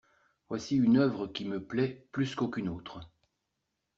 Voici une œuvre qui me plait plus qu’aucune autre.